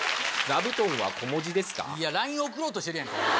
ＬＩＮＥ送ろうとしてるやんか！